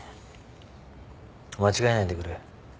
間違えないでくれ。